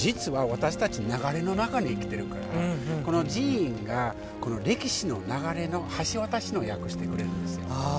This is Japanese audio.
でも実は私たち流れの中に生きているからこの寺院が歴史の流れの橋渡しの役をしてくれるんですよ。